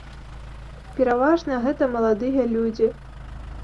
Пераважна гэта маладыя людзі.